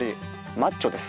マッチョです。